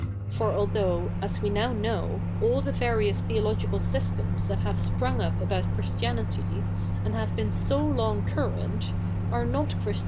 For although, as we now knoiv^ all the various theological systems that have sprung up about Christianity, and have been so long current, are not Christia?